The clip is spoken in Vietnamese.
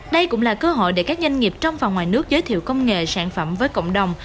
đây cũng là cơ hội để các doanh nghiệp trong và ngoài nước giới thiệu công nghệ sản phẩm với cộng đồng